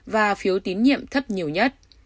và phiếu tín nhiệm thấp nhiều nhất